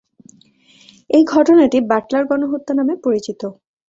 এই ঘটনাটি বাটলার গণহত্যা নামে পরিচিত।